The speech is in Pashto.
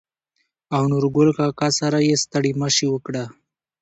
او نورګل کاکا سره يې ستړي مشې وکړه.